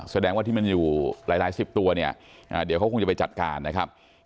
แสดงว่าที่มันอยู่หลายสิบตัวเนี่ยเดี๋ยวเขาคงจะไปจัดการนะครับ